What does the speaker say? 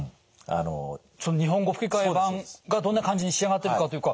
その日本語吹き替え版がどんな感じに仕上がってるかというか。